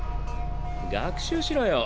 学習しろよ。